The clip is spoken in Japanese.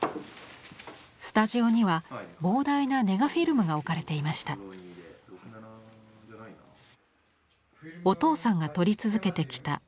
スタジオには膨大なネガフィルムが置かれていました。